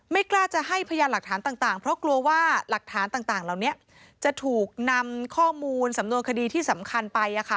กล้าจะให้พยานหลักฐานต่างเพราะกลัวว่าหลักฐานต่างเหล่านี้จะถูกนำข้อมูลสำนวนคดีที่สำคัญไป